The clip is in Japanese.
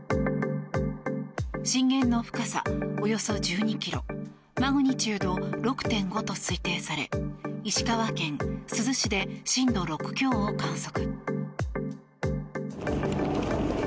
震源の深さ、およそ１２ｋｍマグニチュード６．５と推定され石川県珠洲市で震度６強を観測。